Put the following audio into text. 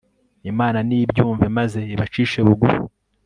imana nibyumve, maze ibacishe bugufi